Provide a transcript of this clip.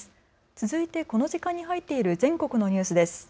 続いてこの時間に入っている全国のニュースです。